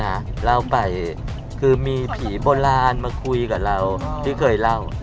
ไม่มันเยอะนะเล่าไปคือมีผีโบราณมาคุยกับเราที่เคยเล่า